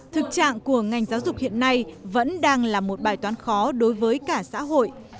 thực trạng của ngành giáo dục hiện nay vẫn đang là một bài toán khó đối với cả xã hội